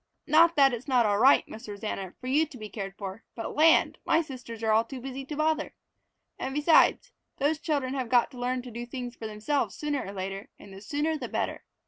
Not that it's not all right, Miss Rosanna, for you to be cared for, but land, my sisters are all too busy to bother! And besides, those children have got to learn to do for themselves sooner or later, and the sooner the better.